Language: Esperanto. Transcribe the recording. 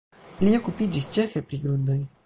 Li okupiĝis ĉefe pri grundoj.